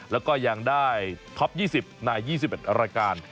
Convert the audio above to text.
แล้วก็ยังได้ท็อป๒๐ใน๒๑รายการ